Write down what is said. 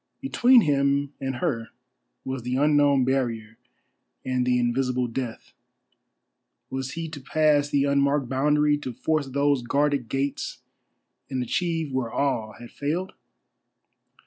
Between him and her was the unknown barrier and the invisible Death. Was he to pass the unmarked boundary, to force those guarded gates and achieve where all had failed?